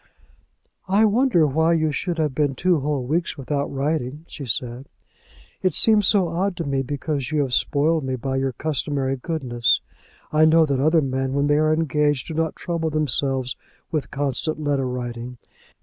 "I wonder why you should have been two whole weeks without writing," she said. "It seems so odd to me, because you have spoiled me by your customary goodness. I know that other men when they are engaged do not trouble themselves with constant letter writing.